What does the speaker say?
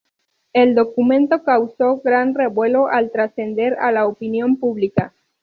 El documento causó gran revuelo al trascender a la opinión pública.